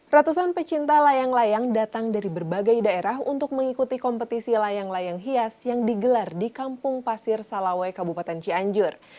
ratusan pecinta layang layang datang dari berbagai daerah untuk mengikuti kompetisi layang layang hias yang digelar di kampung pasir salawai kabupaten cianjur